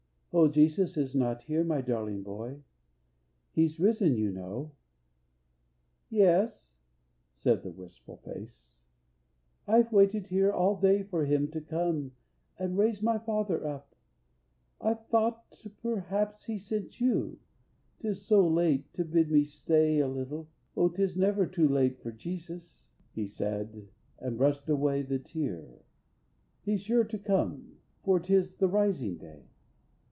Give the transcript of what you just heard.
"O Jesus is not here, my darling boy, He's risen, you know." "Yes," said the wistful face, "I've waited here all day for Him to come And raise my father up. I thought perhaps He sent you, 'tis so late, to bid me stay A little O 'tis never too late for Jesus!" he said, and brushed away the tear; "He's sure to come, for 'tis the Rising Day."